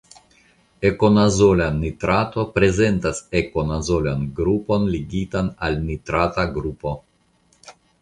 Ekonazola nitrato prezentas ekonazolan grupon ligitan al nitrata grupo.